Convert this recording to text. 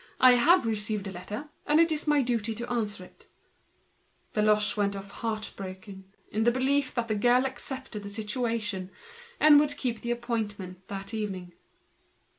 I have received a letter, and it is my duty to answer it." Deloche went away heart broken, having understood that the young girl accepted the situation and would keep the appointment that evening.